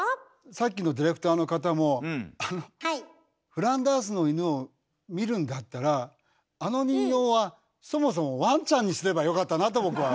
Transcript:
さっきのディレクターの方も「フランダースの犬」を見るんだったらあの人形はそもそもワンちゃんにすればよかったなと僕は。